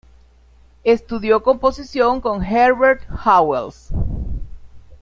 Estudió composición con Herbert Howells.